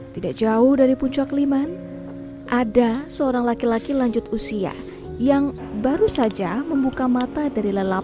tidak jauh dari puncak liman ada seorang laki laki lanjut usia yang baru saja membuka mata dari lelap